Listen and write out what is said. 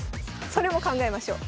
それも考えましょう。